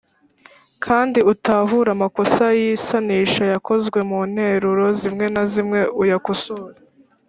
kandi utahure amakosa y’isanisha yakozwe mu nteruro zimwe na zimwe uyakosore.